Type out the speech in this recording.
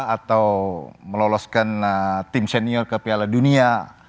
atau meloloskan tim senior ke piala dunia